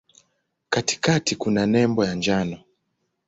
Katikati kuna nembo ya njano.